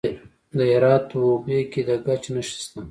د هرات په اوبې کې د ګچ نښې شته.